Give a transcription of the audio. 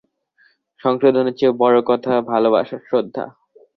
সংশোধনের চেয়েও বড়ো কথা ভালোবাসা, শ্রদ্ধা।